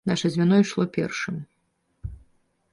Наша звяно ішло першым.